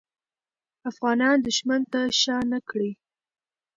افغانان دښمن ته شا نه کړه.